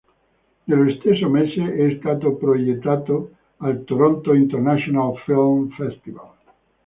Nello stesso mese è stato proiettato al Toronto International Film Festival.